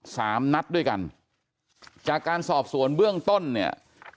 สามนัดด้วยกันจากการสอบสวนเบื้องต้นเนี่ย